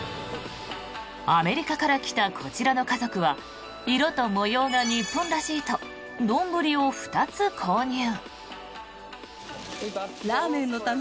アメリカから来たこちらの家族は色と模様が日本らしいと丼を２つ購入。